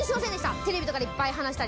テレビとかでいっぱい話したり。